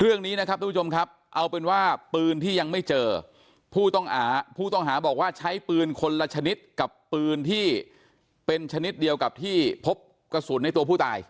เรื่องนี้นะครับทุกผู้ชมครับเอาเป็นว่าปืนที่ยังไม่เจอผู้ต้องหาผู้ต้องหาบอกว่าใช้ปืนคนละชนิดกับปืนที่เป็นชนิดเดียวกับที่พบกระสุนในตัวผู้ตาย